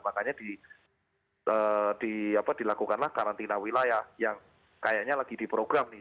makanya dilakukanlah karantina wilayah yang kayaknya lagi di program nih